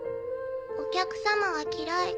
お客様は嫌い